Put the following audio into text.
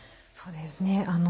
そうですね。